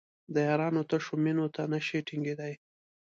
د یارانو تشو مینو ته نشي ټینګېدای.